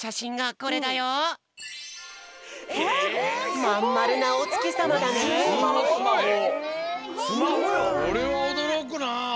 これはおどろくな。